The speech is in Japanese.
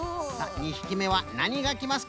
２ひきめはなにがきますか？